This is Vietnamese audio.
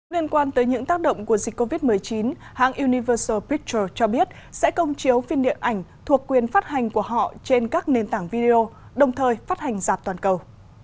liên quan tới những tác động của dịch covid một mươi chín hãng universal pictures cho biết sẽ công chiếu phim điện ảnh thuộc quyền phát hành của họ trên các nền tảng video đồng thời phát hành dạp toàn cầu